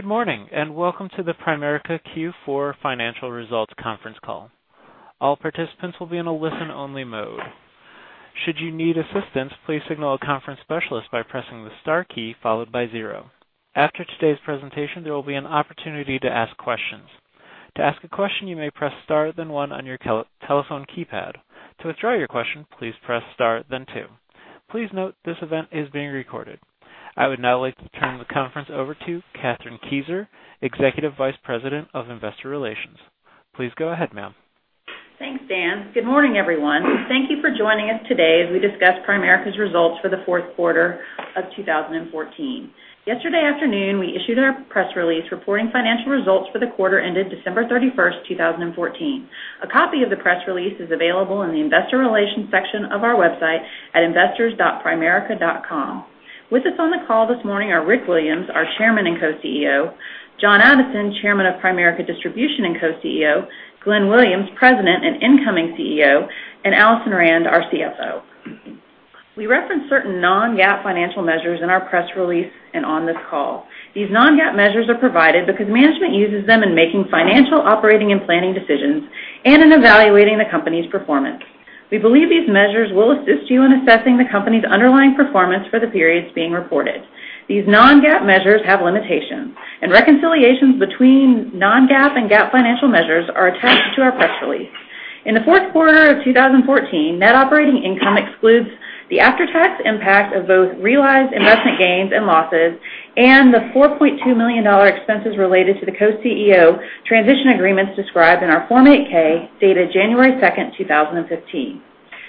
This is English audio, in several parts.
Good morning, welcome to the Primerica Q4 Financial Results Conference Call. All participants will be in a listen-only mode. Should you need assistance, please signal a conference specialist by pressing the star key followed by zero. After today's presentation, there will be an opportunity to ask questions. To ask a question, you may press star, then one on your telephone keypad. To withdraw your question, please press star then two. Please note this event is being recorded. I would now like to turn the conference over to Kathryn Kieser, Executive Vice President of Investor Relations. Please go ahead, ma'am. Thanks, Dan. Good morning, everyone. Thank you for joining us today as we discuss Primerica's results for the fourth quarter of 2014. Yesterday afternoon, we issued our press release reporting financial results for the quarter ended December 31st, 2014. A copy of the press release is available in the investor relations section of our website at investors.primerica.com. With us on the call this morning are Rick Williams, our Chairman and Co-CEO, John Addison, Chairman of Primerica Distribution and Co-CEO, Glenn Williams, President and incoming CEO, and Alison Rand, our CFO. We reference certain non-GAAP financial measures in our press release and on this call. These non-GAAP measures are provided because management uses them in making financial operating and planning decisions and in evaluating the company's performance. We believe these measures will assist you in assessing the company's underlying performance for the periods being reported. These non-GAAP measures have limitations, reconciliations between non-GAAP and GAAP financial measures are attached to our press release. In the fourth quarter of 2014, net operating income excludes the after-tax impact of both realized investment gains and losses and the $4.2 million expenses related to the co-CEO transition agreements described in our Form 8-K dated January 2nd, 2015.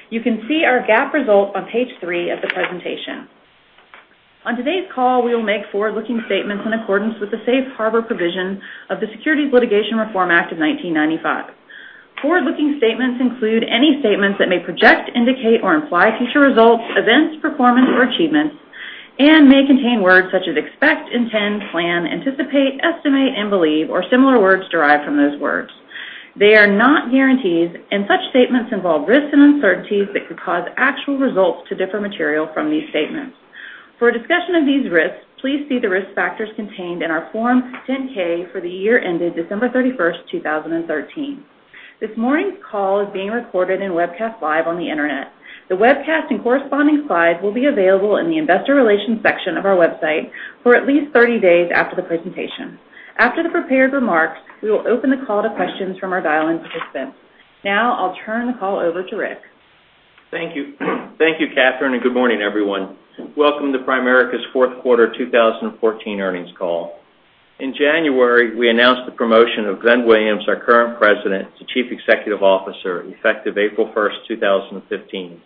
You can see our GAAP results on page three of the presentation. On today's call, we will make forward-looking statements in accordance with the safe harbor provision of the Securities Litigation Reform Act of 1995. Forward-looking statements include any statements that may project, indicate, or imply future results, events, performance, or achievements and may contain words such as expect, intend, plan, anticipate, estimate, and believe, or similar words derived from those words. They are not guarantees, such statements involve risks and uncertainties that could cause actual results to differ material from these statements. For a discussion of these risks, please see the risk factors contained in our Form 10-K for the year ended December 31st, 2013. This morning's call is being recorded and webcast live on the internet. The webcast and corresponding slides will be available in the investor relations section of our website for at least 30 days after the presentation. After the prepared remarks, we will open the call to questions from our dial-in participants. Now, I'll turn the call over to Rick. Thank you, Kathryn, good morning, everyone. Welcome to Primerica's fourth quarter 2014 earnings call. In January, we announced the promotion of Glenn Williams, our current President, to Chief Executive Officer, effective April 1st, 2015.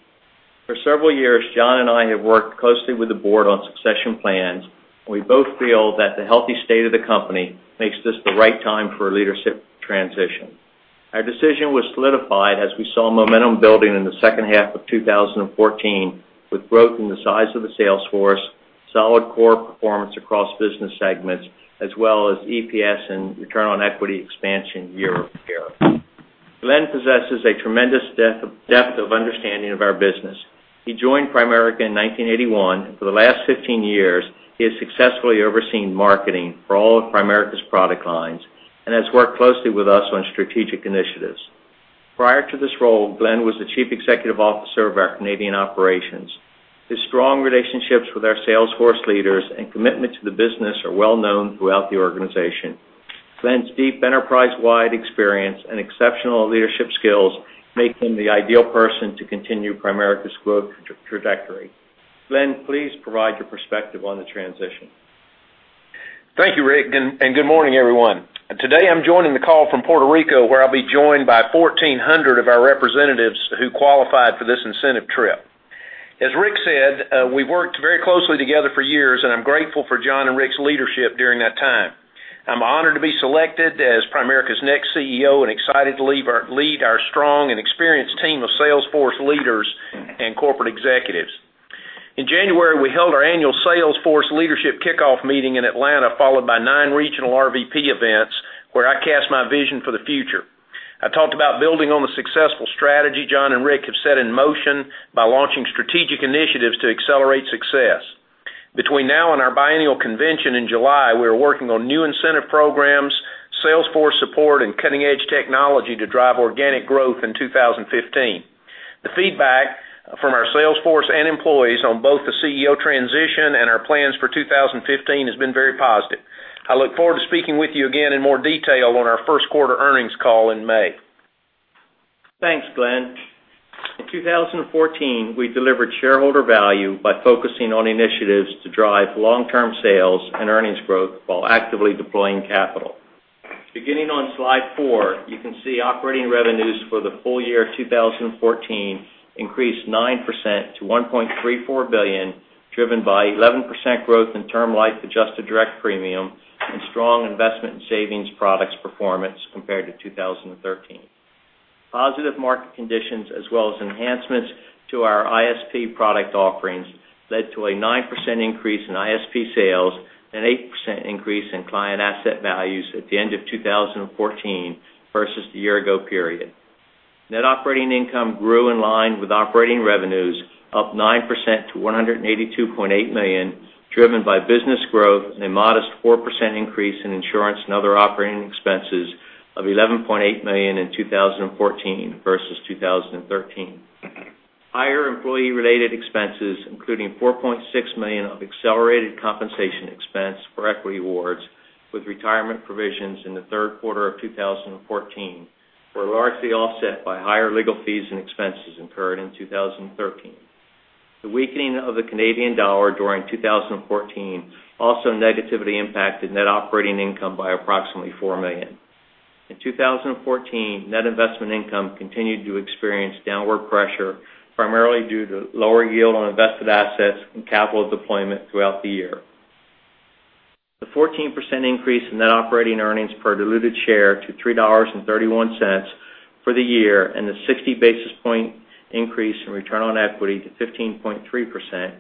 For several years, John and I have worked closely with the board on succession plans. We both feel that the healthy state of the company makes this the right time for a leadership transition. Our decision was solidified as we saw momentum building in the second half of 2014 with growth in the size of the sales force, solid core performance across business segments, as well as EPS and return on equity expansion year over year. Glenn possesses a tremendous depth of understanding of our business. He joined Primerica in 1981. For the last 15 years, he has successfully overseen marketing for all of Primerica's product lines and has worked closely with us on strategic initiatives. Prior to this role, Glenn was the Chief Executive Officer of our Canadian operations. His strong relationships with our sales force leaders and commitment to the business are well known throughout the organization. Glenn's deep enterprise-wide experience and exceptional leadership skills make him the ideal person to continue Primerica's growth trajectory. Glenn, please provide your perspective on the transition. Thank you, Rick, good morning, everyone. Today, I'm joining the call from Puerto Rico, where I'll be joined by 1,400 of our representatives who qualified for this incentive trip. As Rick said, we worked very closely together for years. I'm grateful for John and Rick's leadership during that time. I'm honored to be selected as Primerica's next CEO and excited to lead our strong and experienced team of sales force leaders and corporate executives. In January, we held our annual sales force leadership kickoff meeting in Atlanta, followed by nine regional RVP events where I cast my vision for the future. I talked about building on the successful strategy John and Rick have set in motion by launching strategic initiatives to accelerate success. Between now and our biannual convention in July, we are working on new incentive programs, sales force support, and cutting-edge technology to drive organic growth in 2015. The feedback from our sales force and employees on both the CEO transition and our plans for 2015 has been very positive. I look forward to speaking with you again in more detail on our first quarter earnings call in May. Thanks, Glenn. In 2014, we delivered shareholder value by focusing on initiatives to drive long-term sales and earnings growth while actively deploying capital. Beginning on slide four, you can see operating revenues for the full year 2014 increased 9% to $1.34 billion, driven by 11% growth in term life adjusted direct premium and strong investment in savings products performance compared to 2013. Positive market conditions as well as enhancements to our ISP product offerings led to a 9% increase in ISP sales and 8% increase in client asset values at the end of 2014 versus the year ago period. Net operating income grew in line with operating revenues up 9% to $182.8 million, driven by business growth and a modest 4% increase in insurance and other operating expenses of $11.8 million in 2014 versus 2013. Higher employee-related expenses, including $4.6 million of accelerated compensation expense for equity awards with retirement provisions in the third quarter of 2014, were largely offset by higher legal fees and expenses incurred in 2013. The weakening of the Canadian dollar during 2014 also negatively impacted net operating income by approximately 4 million. In 2014, net investment income continued to experience downward pressure, primarily due to lower yield on invested assets and capital deployment throughout the year. The 14% increase in net operating earnings per diluted share to $3.31 for the year and the 60 basis point increase in return on equity to 15.3%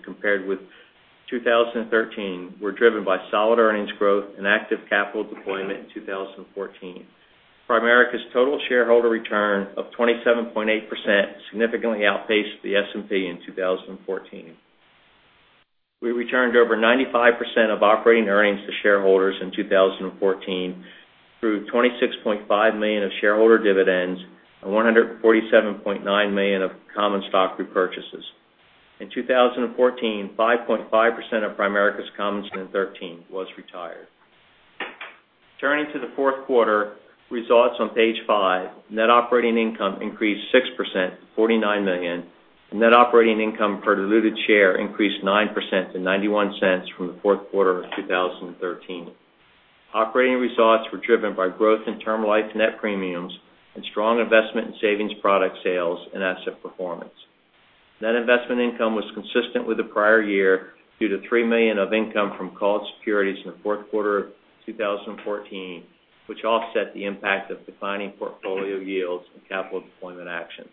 compared with 2013 were driven by solid earnings growth and active capital deployment in 2014. Primerica's total shareholder return of 27.8% significantly outpaced the S&P in 2014. We returned over 95% of operating earnings to shareholders in 2014 through $26.5 million of shareholder dividends and $147.9 million of common stock repurchases. In 2014, 5.5% of Primerica's common stock outstanding was retired. Turning to the fourth quarter results on page five, net operating income increased 6%, $49 million, and net operating income per diluted share increased 9% to $0.91 from the fourth quarter of 2013. Operating results were driven by growth in term life net premiums and strong investment in savings product sales and asset performance. Net investment income was consistent with the prior year due to $3 million of income from called securities in the fourth quarter of 2014, which offset the impact of declining portfolio yields and capital deployment actions.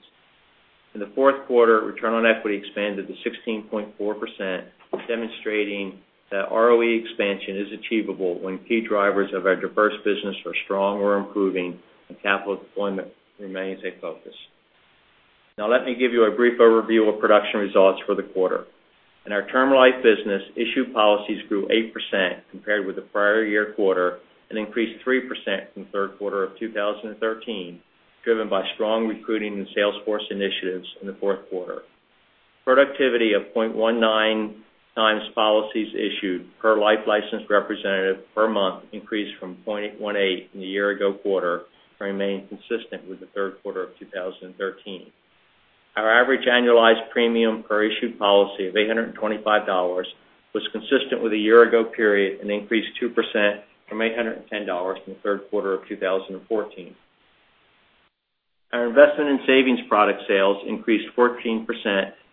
In the fourth quarter, return on equity expanded to 16.4%, demonstrating that ROE expansion is achievable when key drivers of our diverse business are strong or improving and capital deployment remains a focus. Now let me give you a brief overview of production results for the quarter. In our term life business, issued policies grew 8% compared with the prior year quarter and increased 3% from the third quarter of 2013, driven by strong recruiting and sales force initiatives in the fourth quarter. Productivity of 0.19 times policies issued per life licensed representative per month increased from 0.18 in the year ago quarter and remained consistent with the third quarter of 2013. Our average annualized premium per issued policy of $825 was consistent with the year ago period and increased 2% from $810 in the third quarter of 2014. Our investment in savings product sales increased 14%,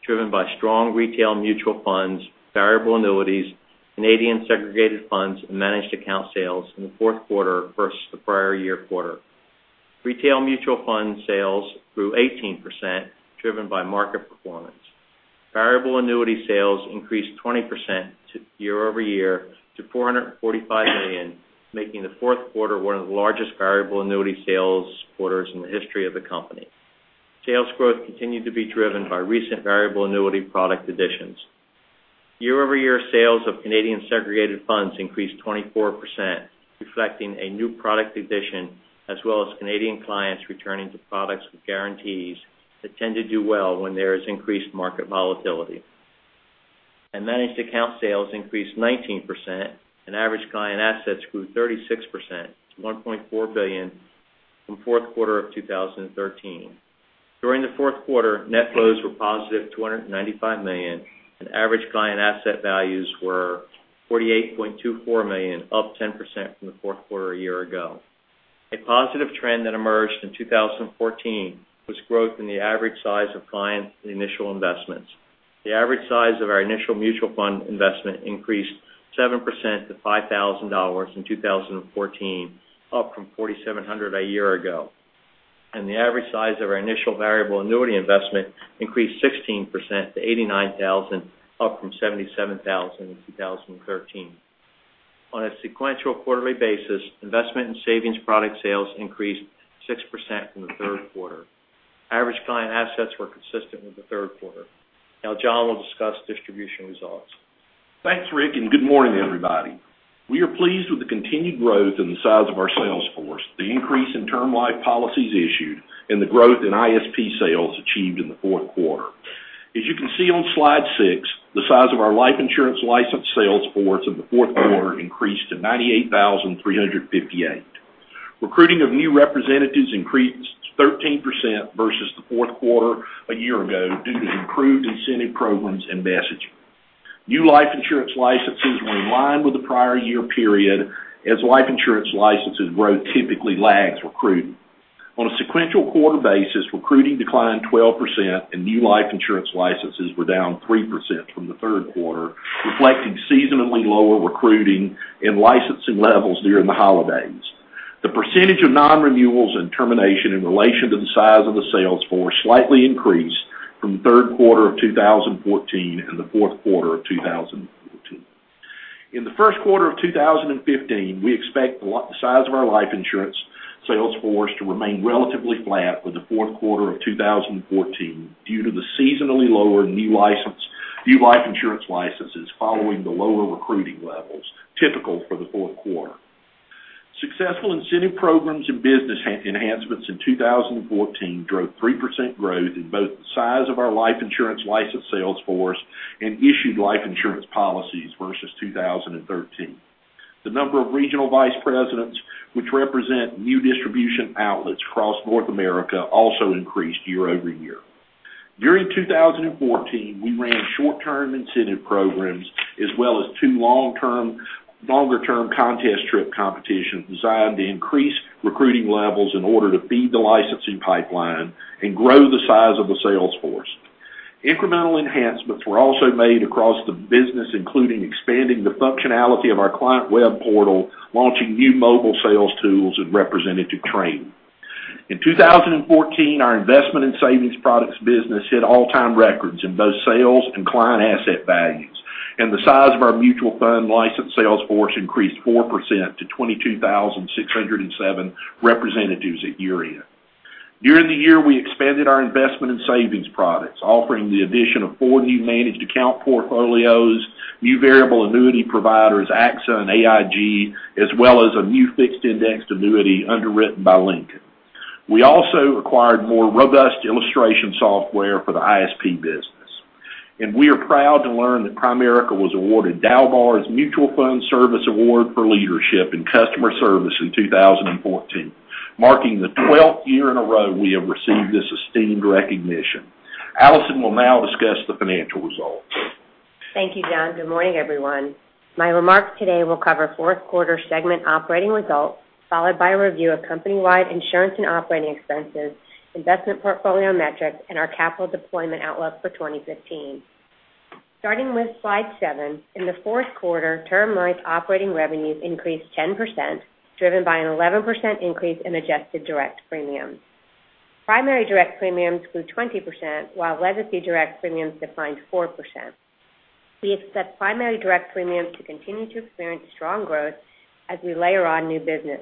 driven by strong retail mutual funds, variable annuities, Canadian segregated funds, and managed account sales in the fourth quarter versus the prior year quarter. Retail mutual fund sales grew 18%, driven by market performance. Variable annuity sales increased 20% year-over-year to $445 million, making the fourth quarter one of the largest variable annuity sales quarters in the history of the company. Sales growth continued to be driven by recent variable annuity product additions. Year-over-year sales of Canadian segregated funds increased 24%, reflecting a new product addition, as well as Canadian clients returning to products with guarantees that tend to do well when there is increased market volatility. Managed account sales increased 19%, and average client assets grew 36% to $1.4 billion from the fourth quarter of 2013. During the fourth quarter, net flows were positive $295 million, and average client asset values were $48.24 million, up 10% from the fourth quarter a year ago. A positive trend that emerged in 2014 was growth in the average size of clients' initial investments. The average size of our initial mutual fund investment increased 7% to $5,000 in 2014, up from $4,700 a year ago. The average size of our initial variable annuity investment increased 16% to $89,000, up from $77,000 in 2013. On a sequential quarterly basis, investment in savings product sales increased 6% from the third quarter. Average client assets were consistent with the third quarter. John will discuss distribution results. Thanks, Rick, and good morning, everybody. We are pleased with the continued growth in the size of our sales force, the increase in term life policies issued, and the growth in ISP sales achieved in the fourth quarter. As you can see on slide six, the size of our life insurance license sales force in the fourth quarter increased to 98,358. Recruiting of new representatives increased 13% versus the fourth quarter a year ago due to improved incentive programs and messaging. New life insurance licenses were in line with the prior year period, as life insurance licenses growth typically lags recruiting. On a sequential quarter basis, recruiting declined 12%, and new life insurance licenses were down 3% from the third quarter, reflecting seasonally lower recruiting and licensing levels during the holidays. The percentage of non-renewals and termination in relation to the size of the sales force slightly increased from the third quarter of 2014 and the fourth quarter of 2014. In the first quarter of 2015, we expect the size of our life insurance sales force to remain relatively flat for the fourth quarter of 2014 due to the seasonally lower new life insurance licenses following the lower recruiting levels, typical for the fourth quarter. Successful incentive programs and business enhancements in 2014 drove 3% growth in both the size of our life insurance licensed sales force and issued life insurance policies versus 2013. The number of regional vice presidents, which represent new distribution outlets across North America, also increased year-over-year. During 2014, we ran short-term incentive programs as well as two longer-term contest trip competitions designed to increase recruiting levels in order to feed the licensing pipeline and grow the size of the sales force. Incremental enhancements were also made across the business, including expanding the functionality of our client web portal, launching new mobile sales tools, and representative training. In 2014, our investment and savings products business hit all-time records in both sales and client asset values, and the size of our mutual fund licensed sales force increased 4% to 22,607 representatives at year-end. During the year, we expanded our investment and savings products, offering the addition of four new managed account portfolios, new variable annuity providers, AXA and AIG, as well as a new fixed indexed annuity underwritten by Lincoln. We also acquired more robust illustration software for the ISP business. We are proud to learn that Primerica was awarded DALBAR's Mutual Fund Service Award for Leadership in customer service in 2014, marking the 12th year in a row we have received this esteemed recognition. Alison will now discuss the financial results. Thank you, John. Good morning, everyone. My remarks today will cover fourth quarter segment operating results, followed by a review of company-wide insurance and operating expenses, investment portfolio metrics, and our capital deployment outlook for 2015. Starting with slide seven, in the fourth quarter, Term Life operating revenues increased 10%, driven by an 11% increase in adjusted direct premiums. Primary direct premiums grew 20%, while legacy direct premiums declined 4%. We expect primary direct premiums to continue to experience strong growth as we layer on new business.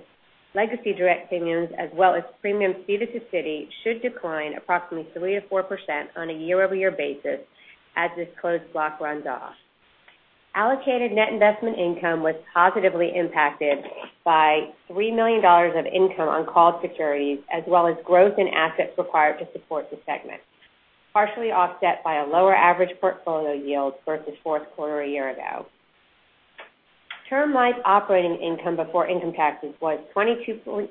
Legacy direct premiums, as well as premiums ceded to Citi, should decline approximately 3%-4% on a year-over-year basis as this closed block runs off. Allocated net investment income was positively impacted by $3 million of income on called securities as well as growth in assets required to support the segment, partially offset by a lower average portfolio yield versus fourth quarter a year ago. Term Life operating income before income taxes was 22.7%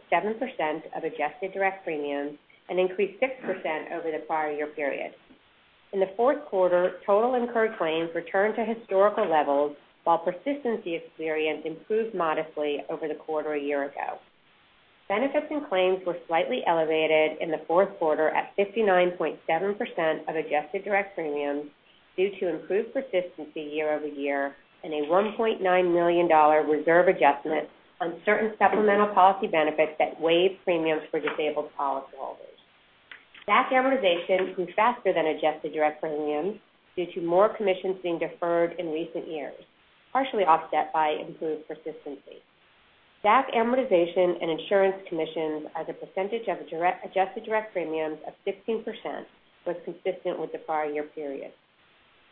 of adjusted direct premiums and increased 6% over the prior year period. In the fourth quarter, total incurred claims returned to historical levels while persistency experience improved modestly over the quarter a year ago. Benefits and claims were slightly elevated in the fourth quarter at 59.7% of adjusted direct premiums due to improved persistency year-over-year and a $1.9 million reserve adjustment on certain supplemental policy benefits that waive premiums for disabled policyholders. Staff amortization grew faster than adjusted direct premiums due to more commissions being deferred in recent years, partially offset by improved persistency. Staff amortization and insurance commissions as a percentage of adjusted direct premiums of 16% was consistent with the prior year period.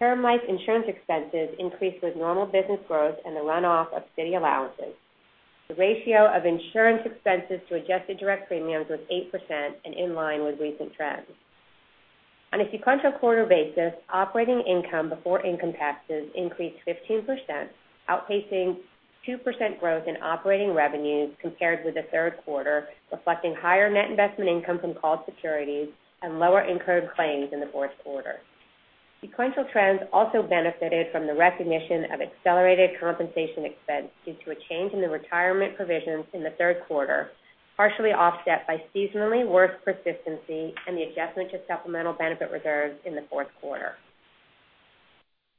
Term Life insurance expenses increased with normal business growth and the runoff of Citi allowances. The ratio of insurance expenses to adjusted direct premiums was 8% and in line with recent trends. On a sequential quarter basis, operating income before income taxes increased 15%, outpacing 2% growth in operating revenues compared with the third quarter, reflecting higher net investment income from called securities and lower incurred claims in the fourth quarter. Sequential trends also benefited from the recognition of accelerated compensation expense due to a change in the retirement provisions in the third quarter, partially offset by seasonally worse persistency and the adjustment to supplemental benefit reserves in the fourth quarter.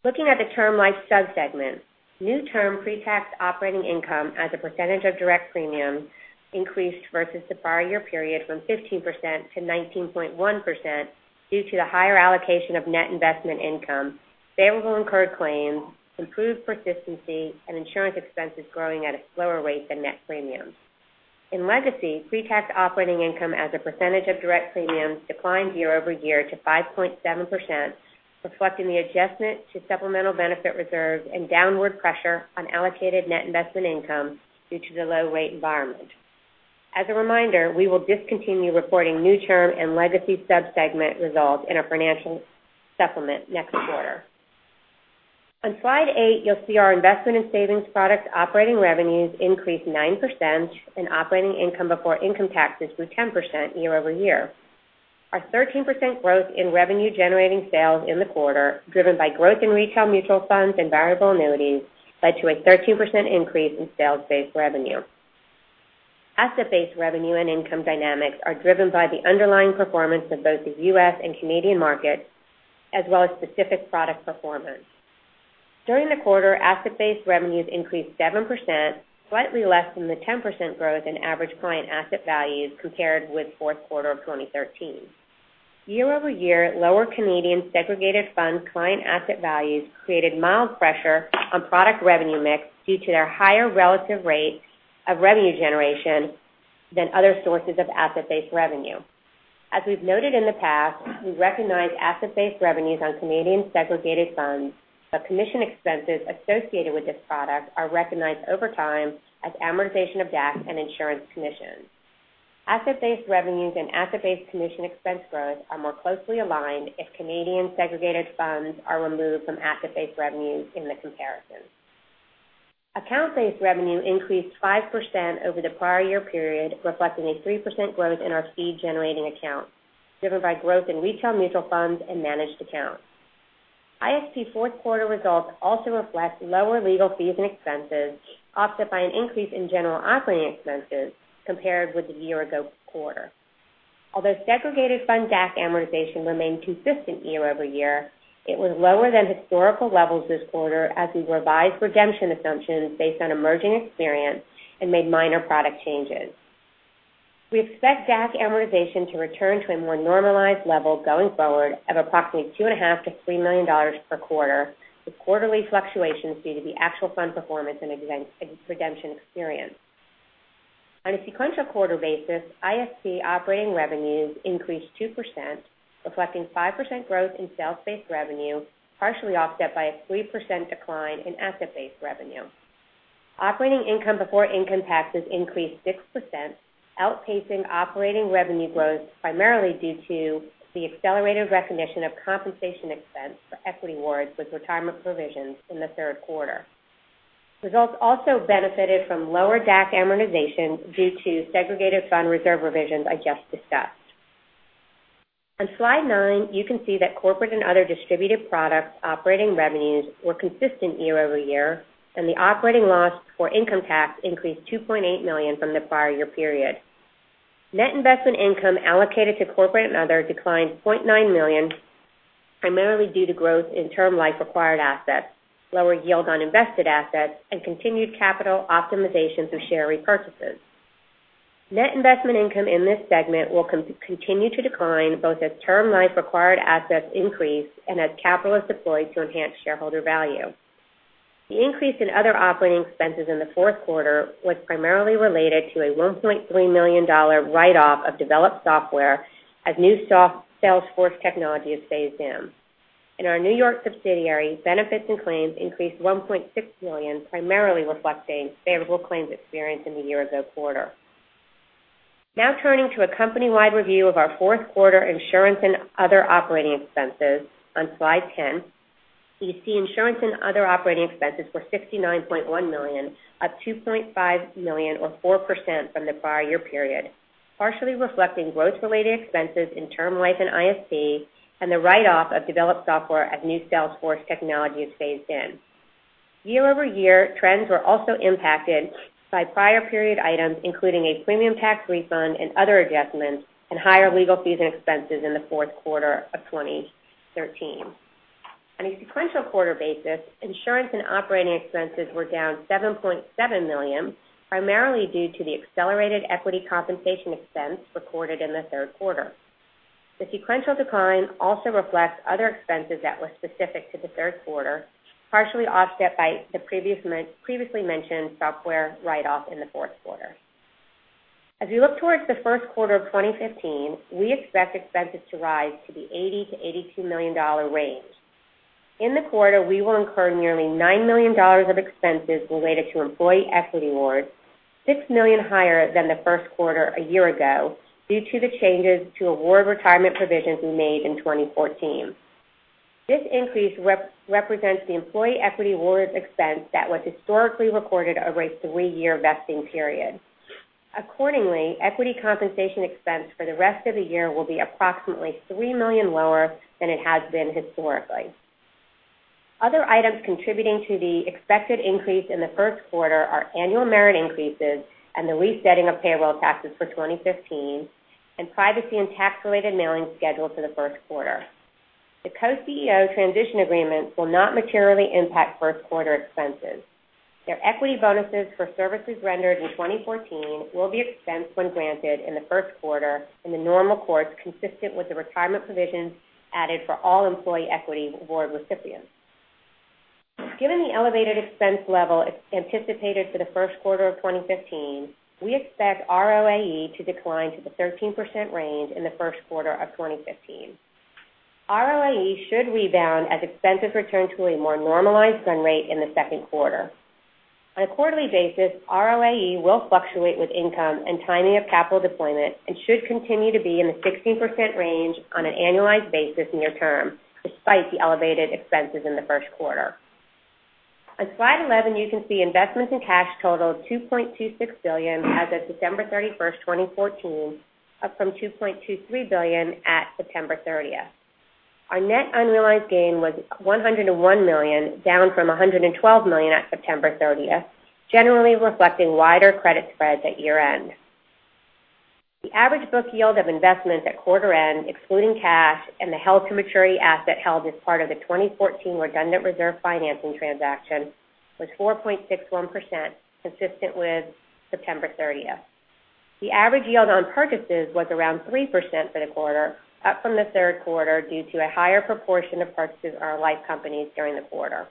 Looking at the Term Life sub-segment, new term pre-tax operating income as a percentage of direct premiums increased versus the prior year period from 15% to 19.1% due to the higher allocation of net investment income, favorable incurred claims, improved persistency, and insurance expenses growing at a slower rate than net premiums. In Legacy, pre-tax operating income as a percentage of direct premiums declined year-over-year to 5.7%, reflecting the adjustment to supplemental benefit reserves and downward pressure on allocated net investment income due to the low rate environment. As a reminder, we will discontinue reporting new term and legacy sub-segment results in our financial supplement next quarter. On slide eight, you'll see our investment in savings products operating revenues increased 9% and operating income before income taxes grew 10% year-over-year. Our 13% growth in revenue-generating sales in the quarter, driven by growth in retail mutual funds and variable annuities, led to a 13% increase in sales-based revenue. Asset-based revenue and income dynamics are driven by the underlying performance of both the U.S. and Canadian markets, as well as specific product performance. During the quarter, asset-based revenues increased 7%, slightly less than the 10% growth in average client asset values compared with fourth quarter of 2013. Year-over-year lower Canadian segregated fund client asset values created mild pressure on product revenue mix due to their higher relative rates of revenue generation than other sources of asset-based revenue. As we've noted in the past, we recognize asset-based revenues on Canadian segregated funds, but commission expenses associated with this product are recognized over time as amortization of DAC and insurance commissions. Asset-based revenues and asset-based commission expense growth are more closely aligned if Canadian segregated funds are removed from asset-based revenues in the comparison. Account-based revenue increased 5% over the prior year period, reflecting a 3% growth in our fee-generating accounts, driven by growth in retail mutual funds and managed accounts. ISP fourth quarter results also reflect lower legal fees and expenses, offset by an increase in general operating expenses compared with the year-ago quarter. Although segregated fund DAC amortization remained consistent year-over-year, it was lower than historical levels this quarter as we revised redemption assumptions based on emerging experience and made minor product changes. We expect DAC amortization to return to a more normalized level going forward of approximately $2.5 million to $3 million per quarter, with quarterly fluctuations due to the actual fund performance and redemption experience. On a sequential-quarter basis, ISP operating revenues increased 2%, reflecting 5% growth in sales-based revenue, partially offset by a 3% decline in asset-based revenue. Operating income before income taxes increased 6%, outpacing operating revenue growth primarily due to the accelerated recognition of compensation expense for equity awards with retirement provisions in the third quarter. Results also benefited from lower DAC amortization due to segregated fund reserve revisions I just discussed. On slide nine, you can see that corporate and other distributed products operating revenues were consistent year-over-year, and the operating loss for income tax increased $2.8 million from the prior year period. Net investment income allocated to corporate and other declined $0.9 million, primarily due to growth in term life required assets, lower yield on invested assets, and continued capital optimizations through share repurchases. Net investment income in this segment will continue to decline both as term life required assets increase and as capital is deployed to enhance shareholder value. The increase in other operating expenses in the fourth quarter was primarily related to a $1.3 million write-off of developed software as new Salesforce technology is phased in. In our N.Y. subsidiary, benefits and claims increased $1.6 million, primarily reflecting favorable claims experience in the year-ago quarter. Turning to a company-wide review of our fourth quarter insurance and other operating expenses on slide 10. You see insurance and other operating expenses were $69.1 million, up $2.5 million or 4% from the prior year period, partially reflecting growth-related expenses in term life and ISP, and the write-off of developed software as new Salesforce technology is phased in. Year-over-year trends were also impacted by prior period items, including a premium tax refund and other adjustments, and higher legal fees and expenses in the fourth quarter of 2013. On a sequential-quarter basis, insurance and operating expenses were down $7.7 million, primarily due to the accelerated equity compensation expense recorded in the third quarter. The sequential decline also reflects other expenses that were specific to the third quarter, partially offset by the previously mentioned software write-off in the fourth quarter. As we look towards the first quarter of 2015, we expect expenses to rise to the $80 million-$82 million range. In the quarter, we will incur nearly $9 million of expenses related to employee equity awards, $6 million higher than the first quarter a year ago due to the changes to award retirement provisions we made in 2014. This increase represents the employee equity awards expense that was historically recorded over a three-year vesting period. Accordingly, equity compensation expense for the rest of the year will be approximately $3 million lower than it has been historically. Other items contributing to the expected increase in the first quarter are annual merit increases and the resetting of payroll taxes for 2015 and privacy and tax-related mailings scheduled for the first quarter. The Co-CEO transition agreement will not materially impact first quarter expenses. Their equity bonuses for services rendered in 2014 will be expensed when granted in the first quarter in the normal course, consistent with the retirement provisions added for all employee equity award recipients. Given the elevated expense level anticipated for the first quarter of 2015, we expect ROAE to decline to the 13% range in the first quarter of 2015. ROAE should rebound as expenses return to a more normalized run rate in the second quarter. On a quarterly basis, ROAE will fluctuate with income and timing of capital deployment and should continue to be in the 16% range on an annualized basis near term, despite the elevated expenses in the first quarter. On slide 11, you can see investments in cash total of $2.26 billion as of December 31st, 2014, up from $2.23 billion at September 30th. Our net unrealized gain was $101 million, down from $112 million at September 30th, generally reflecting wider credit spreads at year-end. The average book yield of investments at quarter-end, excluding cash and the held to maturity asset held as part of the 2014 redundant reserve financing transaction, was 4.61%, consistent with September 30th. The average yield on purchases was around 3% for the quarter, up from the third quarter due to a higher proportion of purchases in our life companies during the quarter.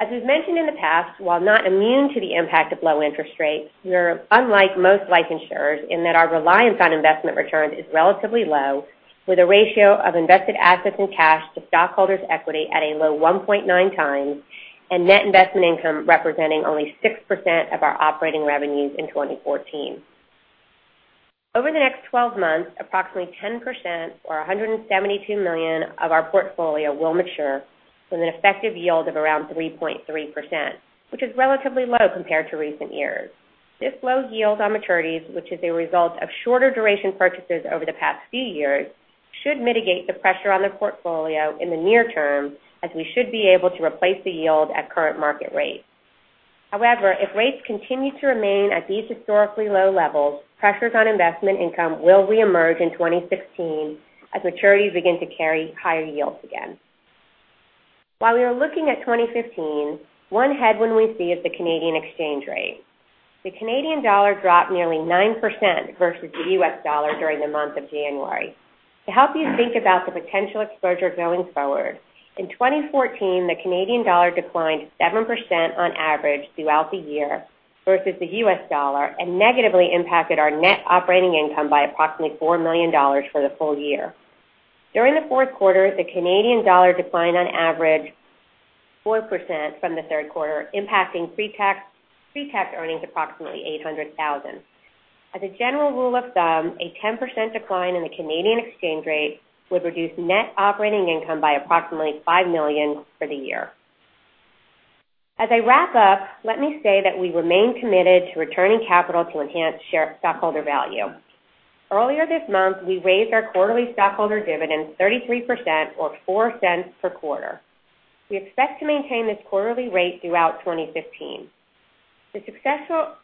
As we've mentioned in the past, while not immune to the impact of low interest rates, we are unlike most life insurers in that our reliance on investment returns is relatively low, with a ratio of invested assets and cash to stockholders' equity at a low 1.9 times and net investment income representing only 6% of our operating revenues in 2014. Over the next 12 months, approximately 10%, or $172 million of our portfolio will mature with an effective yield of around 3.3%, which is relatively low compared to recent years. This low yield on maturities, which is a result of shorter duration purchases over the past few years, should mitigate the pressure on the portfolio in the near term as we should be able to replace the yield at current market rates. However, if rates continue to remain at these historically low levels, pressures on investment income will reemerge in 2016 as maturities begin to carry higher yields again. While we are looking at 2015, one headwind we see is the Canadian exchange rate. The Canadian dollar dropped nearly 9% versus the US dollar during the month of January. To help you think about the potential exposure going forward, in 2014, the Canadian dollar declined 7% on average throughout the year versus the US dollar and negatively impacted our net operating income by approximately $4 million for the full year. During the fourth quarter, the Canadian dollar declined on average 4% from the third quarter, impacting pre-tax earnings approximately $800,000. As a general rule of thumb, a 10% decline in the Canadian exchange rate would reduce net operating income by approximately $5 million for the year. As I wrap up, let me say that we remain committed to returning capital to enhance stockholder value. Earlier this month, we raised our quarterly stockholder dividend 33%, or $0.04 per quarter. We expect to maintain this quarterly rate throughout 2015. The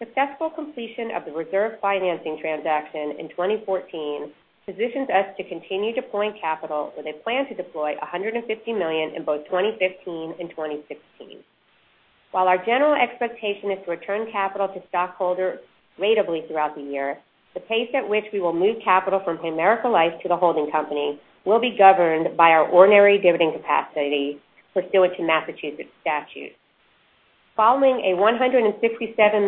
successful completion of the reserve financing transaction in 2014 positions us to continue deploying capital with a plan to deploy $150 million in both 2015 and 2016. While our general expectation is to return capital to stockholders ratably throughout the year, the pace at which we will move capital from Primerica Life to the holding company will be governed by our ordinary dividend capacity pursuant to Massachusetts statute. Following a $167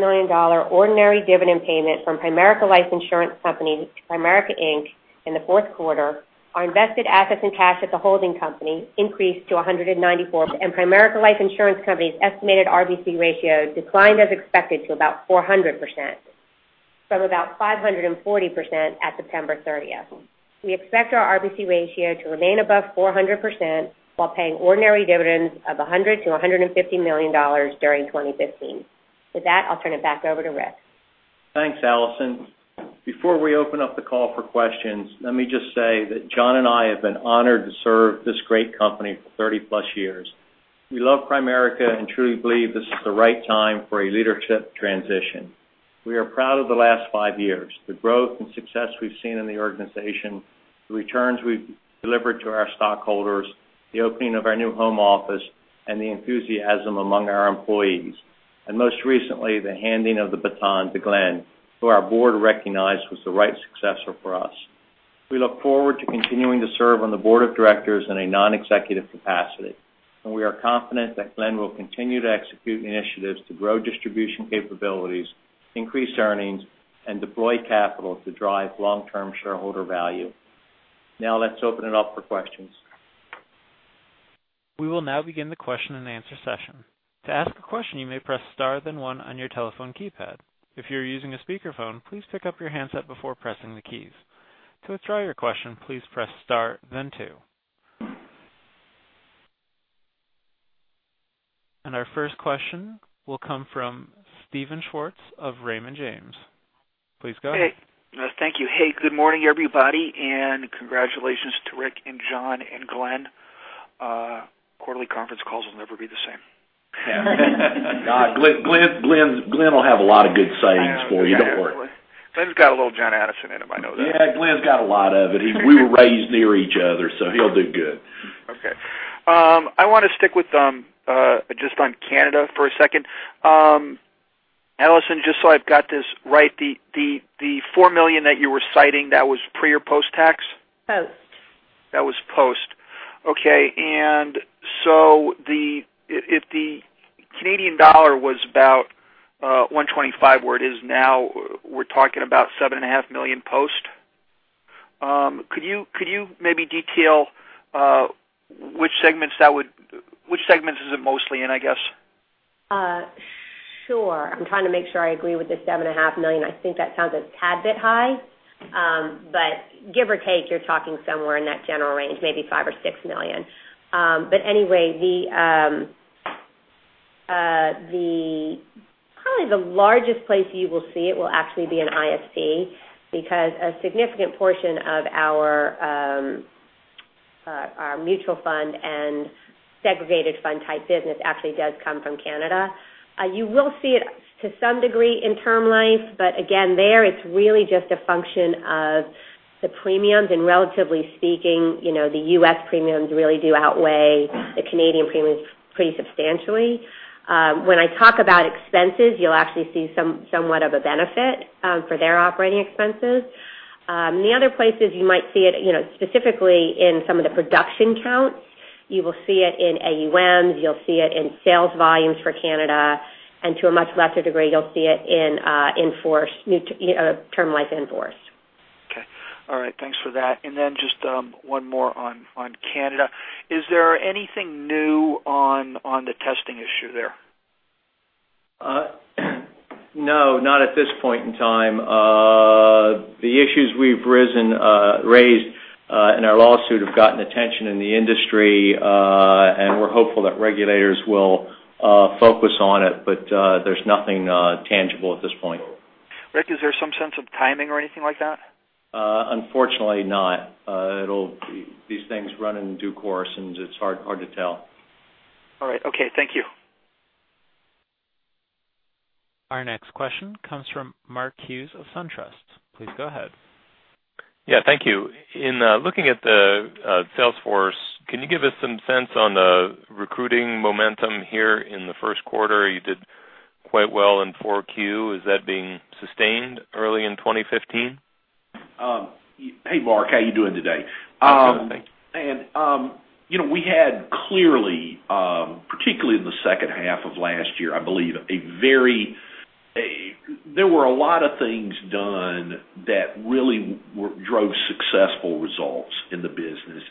million ordinary dividend payment from Primerica Life Insurance Company to Primerica, Inc. in the fourth quarter, our invested assets and cash at the holding company increased to $194 million, and Primerica Life Insurance Company's estimated RBC ratio declined as expected to about 400% from about 540% at September 30th. We expect our RBC ratio to remain above 400% while paying ordinary dividends of $100 million-$150 million during 2015. With that, I'll turn it back over to Rick. Thanks, Alison. Before we open up the call for questions, let me just say that John and I have been honored to serve this great company for 30-plus years. We love Primerica and truly believe this is the right time for a leadership transition. We are proud of the last five years, the growth and success we've seen in the organization, the returns we've delivered to our stockholders, the opening of our new home office, and the enthusiasm among our employees. Most recently, the handing of the baton to Glenn, who our board recognized was the right successor for us. We look forward to continuing to serve on the board of directors in a non-executive capacity, and we are confident that Glenn will continue to execute initiatives to grow distribution capabilities, increase earnings, and deploy capital to drive long-term shareholder value. Now let's open it up for questions. We will now begin the question and answer session. To ask a question, you may press star, then one on your telephone keypad. If you're using a speakerphone, please pick up your handset before pressing the keys. To withdraw your question, please press star, then two. Our first question will come from Steven Schwartz of Raymond James. Please go ahead. Thank you. Good morning, everybody. Congratulations to Rick and John and Glenn. Quarterly conference calls will never be the same. Glenn will have a lot of good sayings for you, don't worry. Glenn's got a little John Addison in him, I know that. Yeah, Glenn's got a lot of it. We were raised near each other, so he'll do good. Okay. I want to stick with just on Canada for a second. Alison, just so I've got this right, the $4 million that you were citing, that was pre or post-tax? Post. That was post. Okay. If the Canadian dollar was about $125 where it is now, we're talking about $7.5 million post? Could you maybe detail which segments is it mostly in, I guess? Sure. I'm trying to make sure I agree with the $7.5 million. I think that sounds a tad bit high. Give or take, you're talking somewhere in that general range, maybe $5 or $6 million. Anyway, probably the largest place you will see it will actually be in ISP because a significant portion of our mutual fund and segregated fund type business actually does come from Canada. You will see it to some degree in term life, but again, there it's really just a function of the premiums, and relatively speaking, the U.S. premiums really do outweigh the Canadian premiums pretty substantially. When I talk about expenses, you'll actually see somewhat of a benefit for their operating expenses. The other places you might see it, specifically in some of the production counts, you will see it in AUM, you'll see it in sales volumes for Canada, and to a much lesser degree, you'll see it in term life in force. Okay. All right. Thanks for that. Just one more on Canada. Is there anything new on the testing issue there? No, not at this point in time. The issues we've raised in our lawsuit have gotten attention in the industry, and we're hopeful that regulators will focus on it, but there's nothing tangible at this point. Rick, is there some sense of timing or anything like that? Unfortunately not. These things run in due course, and it's hard to tell. All right. Okay. Thank you. Our next question comes from Mark Hughes of SunTrust. Please go ahead. Yeah, thank you. In looking at the sales force, can you give us some sense on the recruiting momentum here in the first quarter? You did quite well in 4Q. Is that being sustained early in 2015? Hey, Mark. How are you doing today? I'm good, thank you. We had clearly, particularly in the second half of last year, I believe, there were a lot of things done that really drove successful results in the business.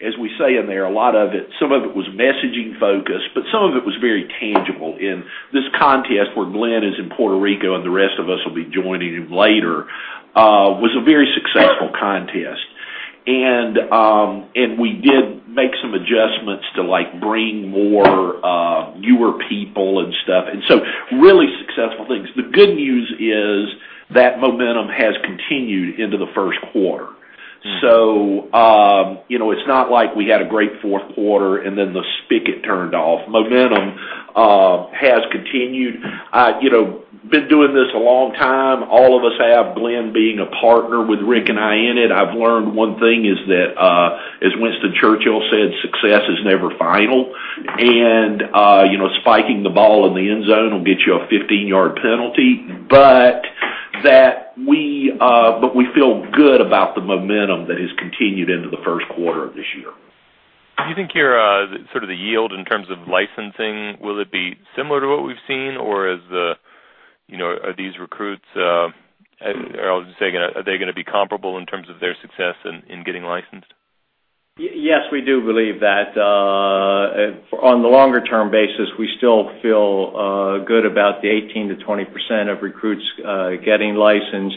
As we say in there, some of it was messaging focused, but some of it was very tangible in this contest where Glenn is in Puerto Rico, and the rest of us will be joining him later, was a very successful contest. We did make some adjustments to bring more newer people and stuff, and so really successful things. The good news is that momentum has continued into the first quarter. It's not like we had a great fourth quarter, and then the spigot turned off. Momentum has continued. Been doing this a long time, all of us have, Glenn being a partner with Rick and I in it. I've learned one thing is that, as Winston Churchill said, "Success is never final," and spiking the ball in the end zone will get you a 15-yard penalty. We feel good about the momentum that has continued into the first quarter of this year. Do you think your sort of the yield in terms of licensing, will it be similar to what we've seen, or are these recruits, or I'll just say, are they going to be comparable in terms of their success in getting licensed? Yes, we do believe that. On the longer-term basis, we still feel good about the 18%-20% of recruits getting licensed.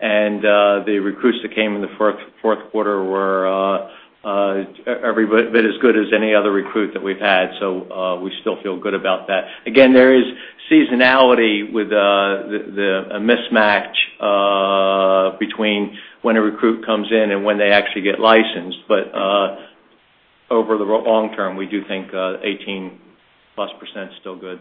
The recruits that came in the fourth quarter were every bit as good as any other recruit that we've had. We still feel good about that. Again, there is seasonality with a mismatch between when a recruit comes in and when they actually get licensed. Over the long term, we do think 18-plus% is still good.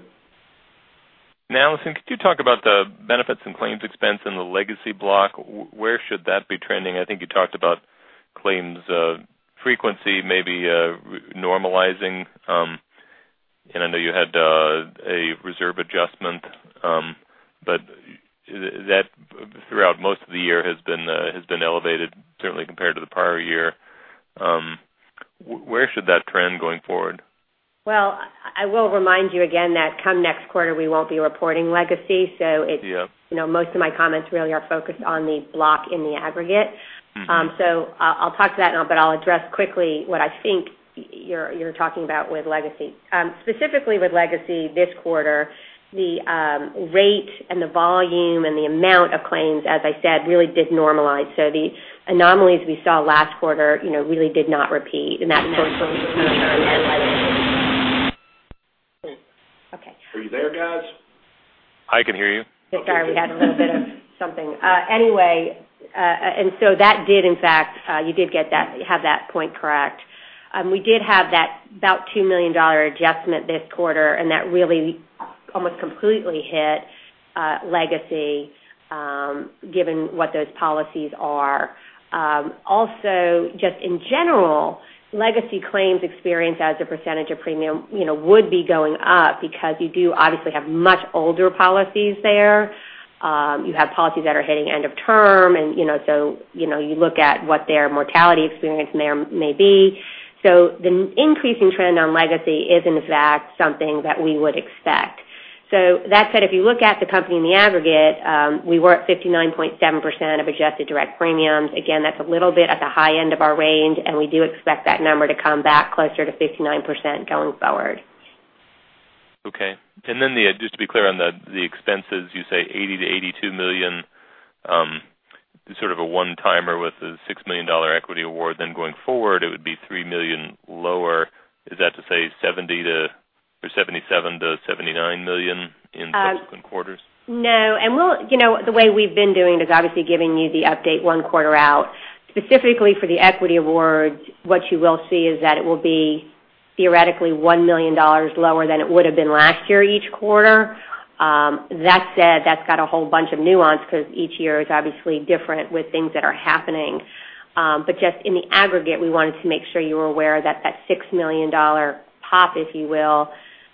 Alison, could you talk about the benefits and claims expense in the legacy block? Where should that be trending? I think you talked about claims frequency maybe normalizing. I know you had a reserve adjustment, but that throughout most of the year has been elevated, certainly compared to the prior year. Where should that trend going forward? Well, I will remind you again that come next quarter, we won't be reporting legacy. Yes. Most of my comments really are focused on the block in the aggregate. I'll talk to that, but I'll address quickly what I think you're talking about with legacy. Specifically with legacy this quarter, the rate and the volume and the amount of claims, as I said, really did normalize. The anomalies we saw last quarter really did not repeat. Are you there, guys? I can hear you. Sorry, we had a little bit of something. Anyway, that did, in fact, you did have that point correct. We did have that about $2 million adjustment this quarter, and that really almost completely hit legacy, given what those policies are. Also, just in general, legacy claims experience as a percentage of premium would be going up because you do obviously have much older policies there. You have policies that are hitting end of term, and so you look at what their mortality experience may be. The increasing trend on legacy is, in fact, something that we would expect. With that said, if you look at the company in the aggregate, we were at 59.7% of adjusted direct premiums. Again, that's a little bit at the high end of our range, and we do expect that number to come back closer to 59% going forward. Okay. Just to be clear on the expenses, you say $80 million-$82 million, sort of a one-timer with the $6 million equity award. Going forward, it would be $3 million lower. Is that to say $77 million-$79 million in subsequent quarters? No. The way we've been doing it is obviously giving you the update one quarter out. Specifically for the equity awards, what you will see is that it will be theoretically $1 million lower than it would have been last year, each quarter. That said, that's got a whole bunch of nuance because each year is obviously different with things that are happening. Just in the aggregate, we wanted to make sure you were aware that $6 million pop, if you will,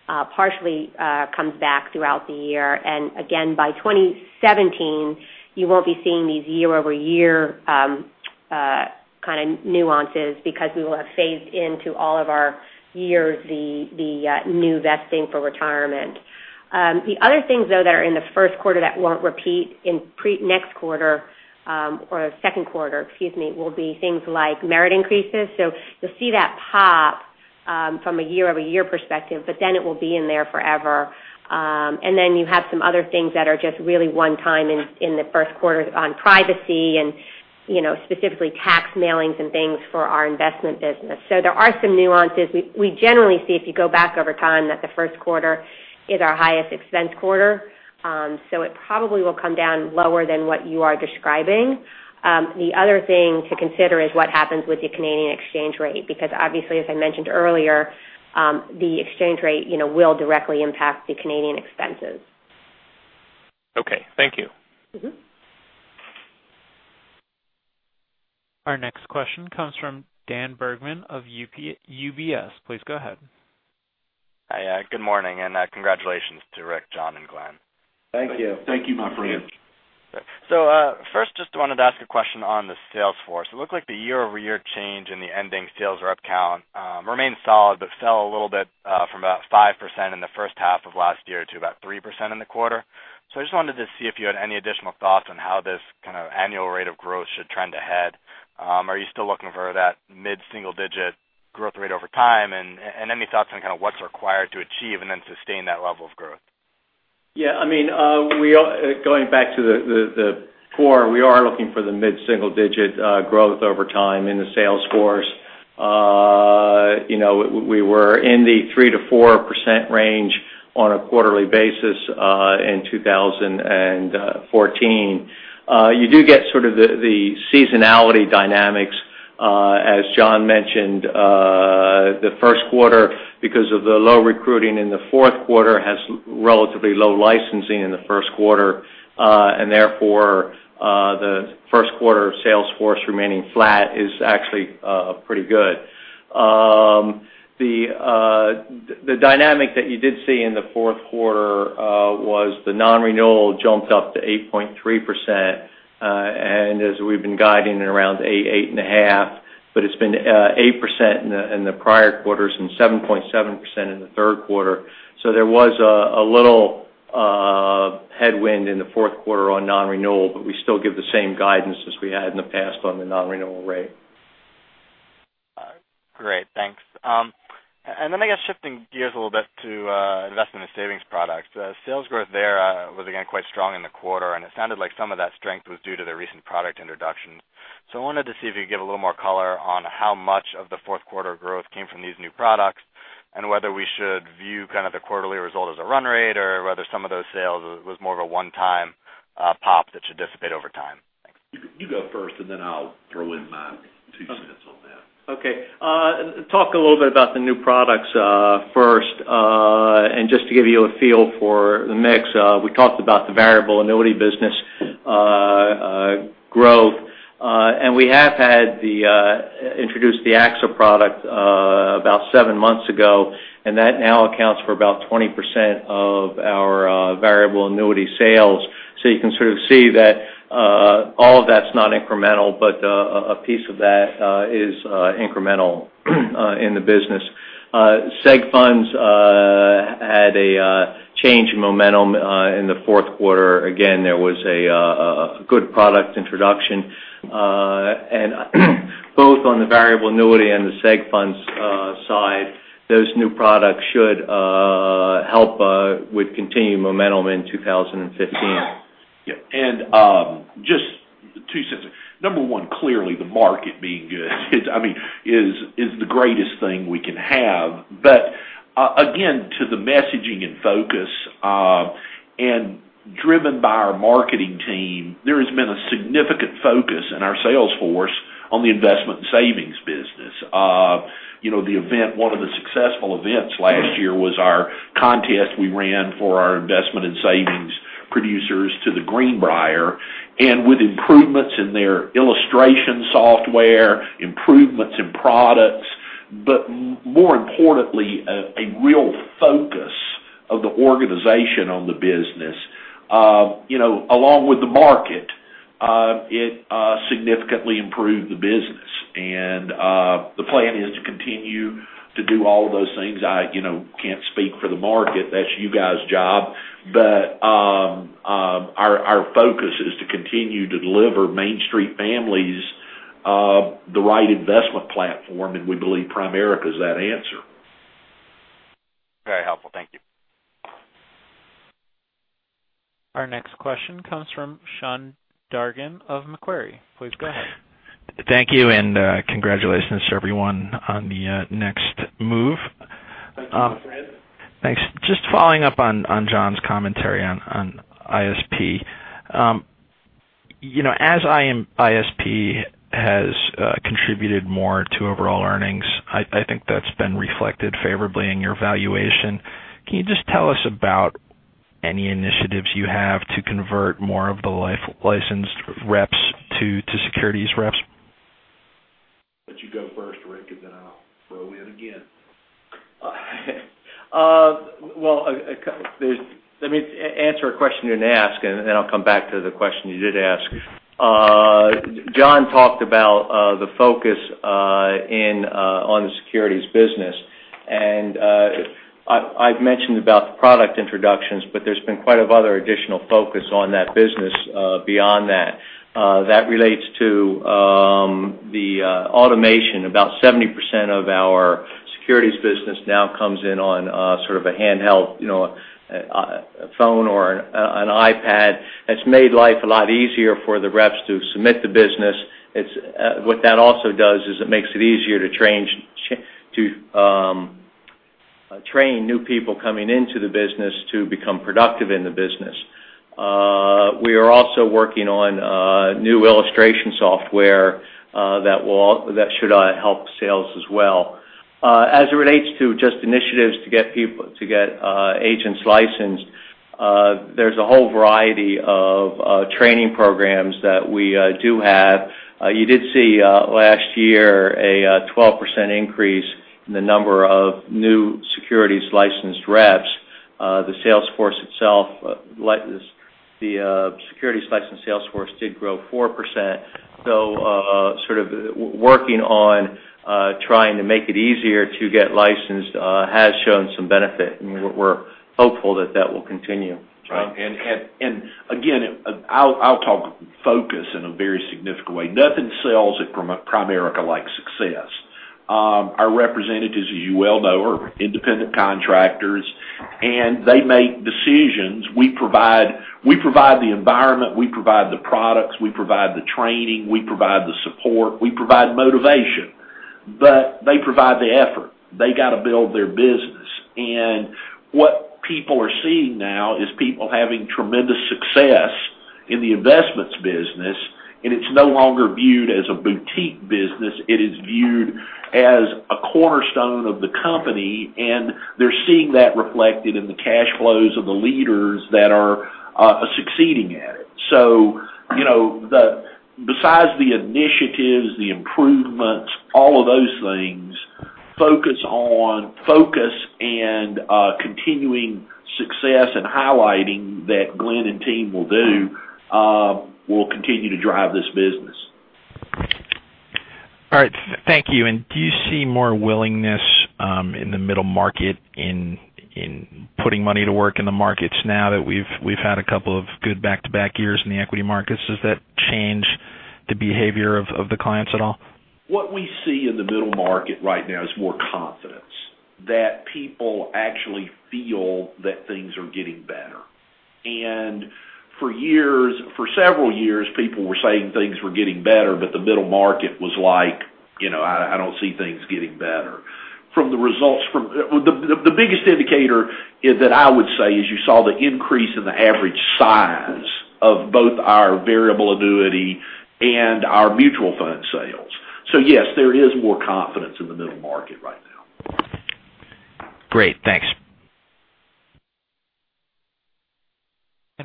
partially comes back throughout the year. Again, by 2017, you won't be seeing these year-over-year kind of nuances because we will have phased into all of our years the new vesting for retirement. The other things though, that are in the first quarter that won't repeat in next quarter, or second quarter, excuse me, will be things like merit increases. You'll see that pop from a year-over-year perspective, but then it will be in there forever. You have some other things that are just really one time in the first quarter on privacy and specifically tax mailings and things for our investment business. There are some nuances. We generally see, if you go back over time, that the first quarter is our highest expense quarter. It probably will come down lower than what you are describing. The other thing to consider is what happens with the Canadian exchange rate, because obviously, as I mentioned earlier, the exchange rate will directly impact the Canadian expenses. Okay. Thank you. Our next question comes from Daniel Bergman of UBS. Please go ahead. Hi. Good morning, and congratulations to Rick, John, and Glenn. Thank you. Thank you, my friend. First just wanted to ask a question on the sales force. It looked like the year-over-year change in the ending sales rep count remained solid, but fell a little bit from about 5% in the first half of last year to about 3% in the quarter. I just wanted to see if you had any additional thoughts on how this kind of annual rate of growth should trend ahead. Are you still looking for that mid-single digit growth rate over time? Any thoughts on what's required to achieve and then sustain that level of growth? Yeah, going back to the core, we are looking for the mid-single digit growth over time in the sales force. We were in the 3%-4% range on a quarterly basis in 2014. You do get sort of the seasonality dynamics, as John mentioned. The first quarter, because of the low recruiting in the fourth quarter, has relatively low licensing in the first quarter. Therefore, the first quarter sales force remaining flat is actually pretty good. The dynamic that you did see in the fourth quarter was the non-renewal jumped up to 8.3%, and as we've been guiding around 8%, 8.5%, but it's been 8% in the prior quarters and 7.7% in the third quarter. There was a little headwind in the fourth quarter on non-renewal, but we still give the same guidance as we had in the past on the non-renewal rate. Great, thanks. Then I guess shifting gears a little bit to investment and savings products. Sales growth there was again, quite strong in the quarter, and it sounded like some of that strength was due to the recent product introductions. I wanted to see if you could give a little more color on how much of the fourth quarter growth came from these new products, and whether we should view the quarterly result as a run rate or whether some of those sales was more of a one-time pop that should dissipate over time. Thanks. You go first, and then I'll throw in my two cents on that. Okay. Talk a little bit about the new products first. Just to give you a feel for the mix, we talked about the variable annuity business growth. We have introduced the AXA product about seven months ago, and that now accounts for about 20% of our variable annuity sales. You can sort of see that all of that's not incremental, but a piece of that is incremental in the business. Seg funds had a change in momentum in the fourth quarter. Again, there was a good product introduction. Both on the variable annuity and the Seg funds side, those new products should help with continued momentum in 2015. Yeah. Just two cents. Number one, clearly the market being good is the greatest thing we can have. Again, to the messaging and focus, driven by our marketing team, there has been a significant focus in our sales force on the investment and savings business. One of the successful events last year was our contest we ran for our investment and savings producers to The Greenbrier. With improvements in their illustration software, improvements in products, more importantly, a real focus of the organization on the business, along with the market, it significantly improved the business. The plan is to continue to do all of those things. I can't speak for the market, that's you guys' job. Our focus is to continue to deliver Main Street families the right investment platform, and we believe Primerica is that answer. Very helpful. Thank you. Our next question comes from Sean Dargan of Macquarie. Please go ahead. Thank you. Congratulations to everyone on the next move. Thanks. Thanks. Just following up on John's commentary on ISP. ISP has contributed more to overall earnings, I think that's been reflected favorably in your valuation. Can you just tell us about any initiatives you have to convert more of the licensed reps to securities reps? Let you go first, Rick, then I'll throw in again. Well, let me answer a question you didn't ask, then I'll come back to the question you did ask. John talked about the focus on the securities business, I've mentioned about the product introductions, there's been quite of other additional focus on that business beyond that. That relates to the automation. About 70% of our securities business now comes in on a handheld phone or an iPad. It's made life a lot easier for the reps to submit the business. What that also does is it makes it easier to train new people coming into the business to become productive in the business. We are also working on new illustration software that should help sales as well. As it relates to just initiatives to get agents licensed, there's a whole variety of training programs that we do have. You did see, last year, a 12% increase in the number of new securities licensed reps. The securities licensed sales force did grow 4%. Working on trying to make it easier to get licensed has shown some benefit, and we're hopeful that that will continue. Again, I'll talk focus in a very significant way. Nothing sells at Primerica like success. Our representatives, as you well know, are independent contractors, and they make decisions. We provide the environment, we provide the products, we provide the training, we provide the support, we provide motivation, but they provide the effort. They got to build their business. What people are seeing now is people having tremendous success in the investments business, and it's no longer viewed as a boutique business. It is viewed as a cornerstone of the company, and they're seeing that reflected in the cash flows of the leaders that are succeeding at it. Besides the initiatives, the improvements, all of those things, focus and continuing success and highlighting that Glenn and team will do will continue to drive this business. All right. Thank you. Do you see more willingness in the middle market in putting money to work in the markets now that we've had a couple of good back-to-back years in the equity markets? Does that change the behavior of the clients at all? What we see in the middle market right now is more confidence, that people actually feel that things are getting better. For several years, people were saying things were getting better, but the middle market was like, "I don't see things getting better." The biggest indicator that I would say is you saw the increase in the average size of both our variable annuity and our mutual fund sales. Yes, there is more confidence in the middle market right now. Great. Thanks.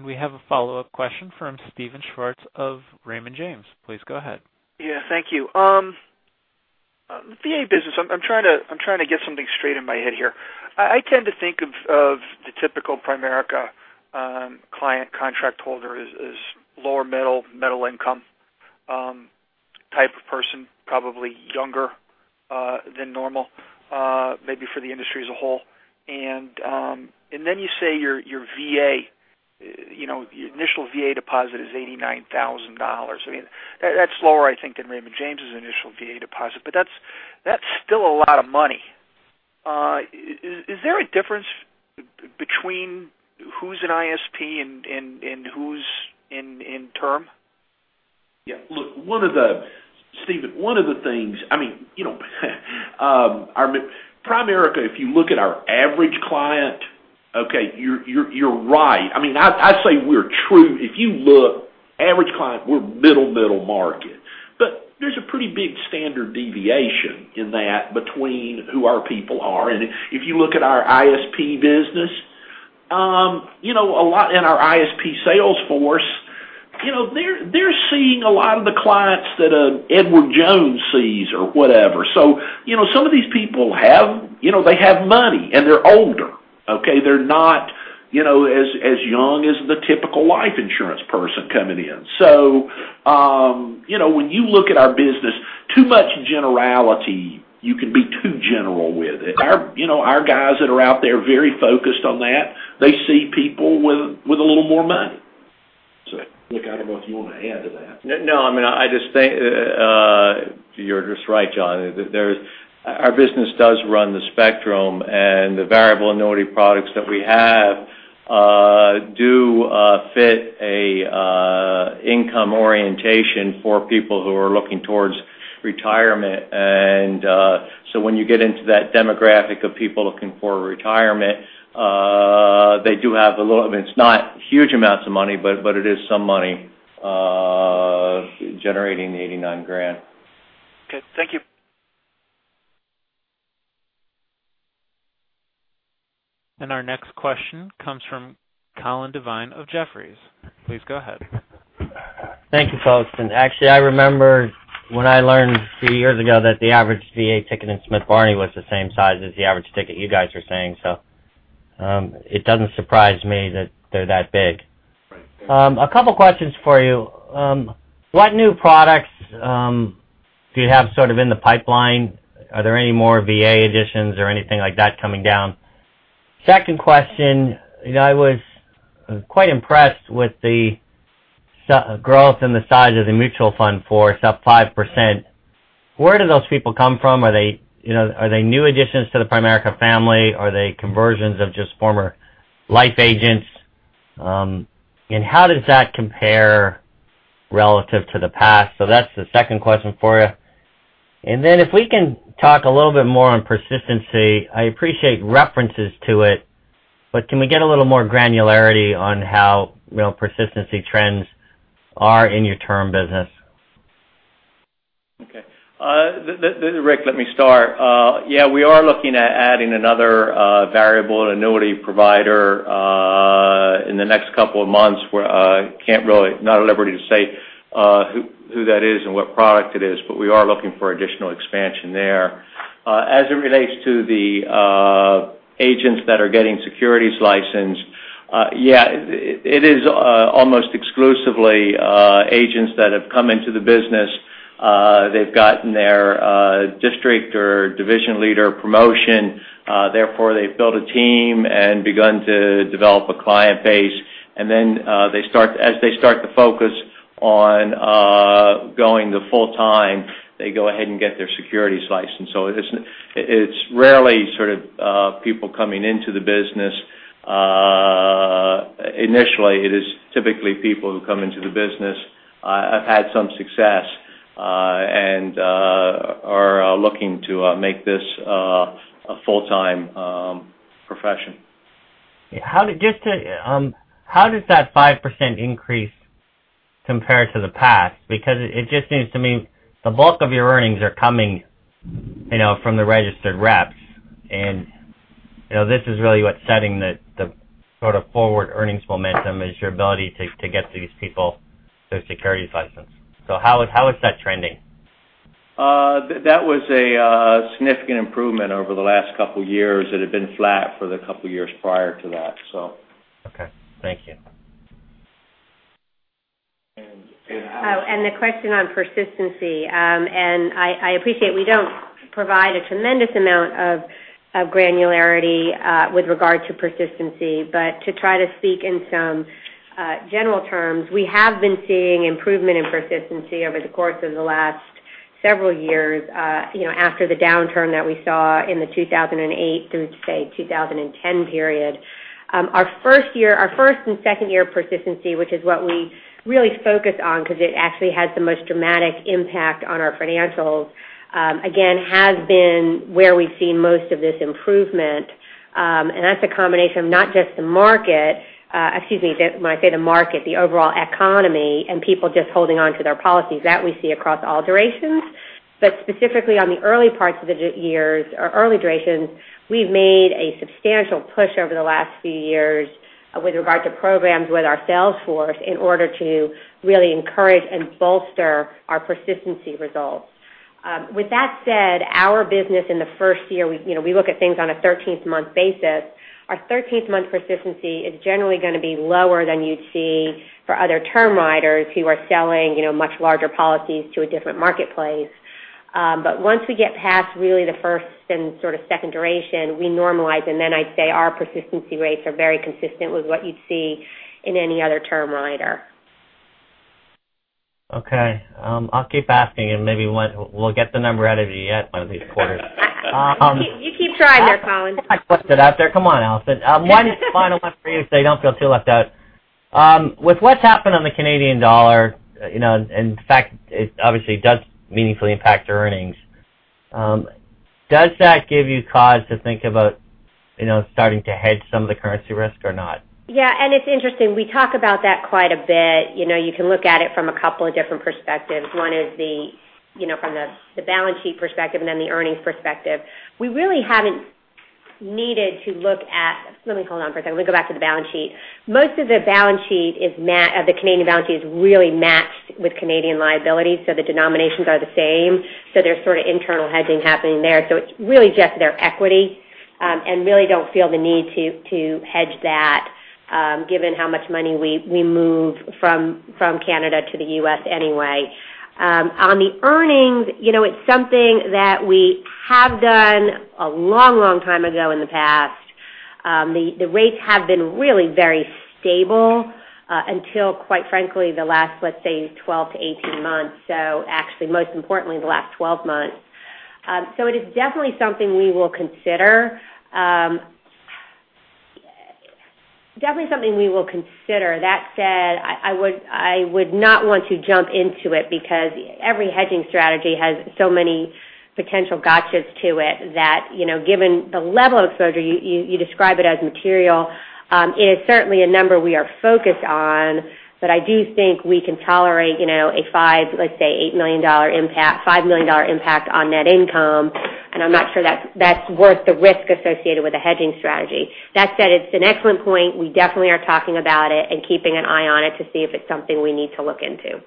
We have a follow-up question from Steven Schwartz of Raymond James. Please go ahead. Yeah. Thank you. VA business, I'm trying to get something straight in my head here. I tend to think of the typical Primerica client contract holder as lower middle income type of person, probably younger than normal, maybe for the industry as a whole. Then you say your VA, the initial VA deposit is $89,000. That's lower, I think, than Raymond James' initial VA deposit, that's still a lot of money. Is there a difference between who's an ISP and who's in term? Yeah. Steven, one of the things, Primerica, if you look at our average client, okay, you're right. If you look average client, we're middle market. There's a pretty big standard deviation in that between who our people are. If you look at our ISP business, in our ISP sales force, they're seeing a lot of the clients that Edward Jones sees or whatever. Some of these people, they have money and they're older. Okay? They're not as young as the typical life insurance person coming in. When you look at our business, too much generality, you can be too general with it. Our guys that are out there very focused on that, they see people with a little more money. Rick, I don't know if you want to add to that. No. You are just right, John. Our business does run the spectrum, and the variable annuity products that we have do fit an income orientation for people who are looking towards retirement. When you get into that demographic of people looking for retirement, They do have a little, it is not huge amounts of money, but it is some money generating the $89,000. Okay, thank you. Our next question comes from Colin Devine of Jefferies. Please go ahead. Thank you, folks. Actually, I remember when I learned a few years ago that the average VA ticket in Smith Barney was the same size as the average ticket you guys are saying. It does not surprise me that they are that big. Right. A couple questions for you. What new products do you have in the pipeline? Are there any more VA additions or anything like that coming down? Second question, I was quite impressed with the growth and the size of the mutual fund for its up 5%. Where do those people come from? Are they new additions to the Primerica family? Are they conversions of just former life agents? How does that compare relative to the past? That's the second question for you. Then if we can talk a little bit more on persistency. I appreciate references to it, but can we get a little more granularity on how persistency trends are in your term business? Okay. This is Rick, let me start. Yeah, we are looking at adding another variable annuity provider, in the next two months, where I can't really, not at liberty to say who that is and what product it is, but we are looking for additional expansion there. As it relates to the agents that are getting securities licensed, yeah, it is almost exclusively agents that have come into the business. They've gotten their district or division leader promotion, therefore they've built a team and begun to develop a client base. Then, as they start to focus on going to full-time, they go ahead and get their securities license. It's rarely sort of people coming into the business. Initially, it is typically people who come into the business, have had some success, and are looking to make this a full-time profession. How does that 5% increase compare to the past? It just seems to me the bulk of your earnings are coming from the registered reps, and this is really what's setting the sort of forward earnings momentum is your ability to get these people their securities license. How is that trending? That was a significant improvement over the last two years. It had been flat for the two years prior to that. Okay. Thank you. Alison. The question on persistency, and I appreciate we don't provide a tremendous amount of granularity with regard to persistency, but to try to speak in some general terms, we have been seeing improvement in persistency over the course of the last several years, after the downturn that we saw in the 2008 through 2010 period. Our first and second year persistency, which is what we really focus on because it actually has the most dramatic impact on our financials, again, has been where we've seen most of this improvement. That's a combination of not just the market, excuse me, when I say the market, the overall economy and people just holding onto their policies. That we see across all durations. Specifically on the early parts of the years or early durations, we've made a substantial push over the last few years with regard to programs with our sales force in order to really encourage and bolster our persistency results. With that said, our business in the first year, we look at things on a 13th-month basis. Our 13th-month persistency is generally going to be lower than you'd see for other term riders who are selling much larger policies to a different marketplace. Once we get past really the first and sort of second duration, we normalize, and then I'd say our persistency rates are very consistent with what you'd see in any other term rider. Okay. I'll keep asking and maybe we'll get the number out of you yet by these quarters. You keep trying there, Colin. I put that out there. Come on, Alison. One final one for you, so you don't feel too left out. With what's happened on the Canadian dollar, and the fact it obviously does meaningfully impact your earnings, does that give you cause to think about starting to hedge some of the currency risk or not? It's interesting. We talk about that quite a bit. You can look at it from a couple of different perspectives. One is from the balance sheet perspective and then the earnings perspective. Let me hold on for a second. Let me go back to the balance sheet. Most of the Canadian balance sheet is really matched with Canadian liabilities, so the denominations are the same. There's sort of internal hedging happening there. It's really just their equity, and really don't feel the need to hedge that given how much money we move from Canada to the U.S. anyway. On the earnings, it's something that we have done a long, long time ago in the past. The rates have been really very stable until, quite frankly, the last, let's say, 12-18 months. Actually, most importantly, the last 12 months. It is definitely something we will consider. That said, I would not want to jump into it because every hedging strategy has so many potential gotchas to it that, given the level of exposure, you describe it as material. It is certainly a number we are focused on, but I do think we can tolerate a five, let's say, $8 million impact, $5 million impact on net income, and I'm not sure that's worth the risk associated with a hedging strategy. That said, it's an excellent point. We definitely are talking about it and keeping an eye on it to see if it's something we need to look into.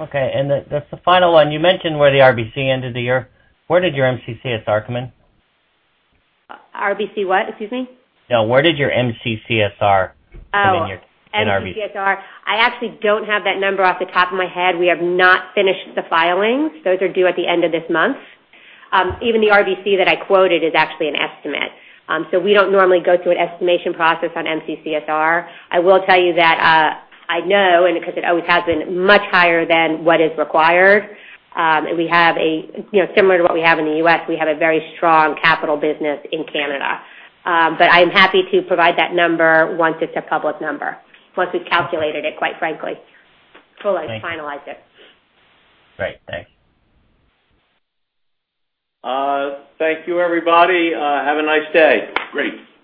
Okay, just a final one. You mentioned where the RBC ended the year. Where did your MCCSR come in? RBC what? Excuse me. No, where did your MCCSR come in in RBC? MCCSR. I actually don't have that number off the top of my head. We have not finished the filings. Those are due at the end of this month. Even the RBC that I quoted is actually an estimate. We don't normally go through an estimation process on MCCSR. I will tell you that I know, and because it always has been much higher than what is required. Similar to what we have in the U.S., we have a very strong capital business in Canada. I am happy to provide that number once it's a public number, once we've calculated it, quite frankly. Thanks. Fully finalized it. Great. Thanks. Thank you, everybody. Have a nice day. Great.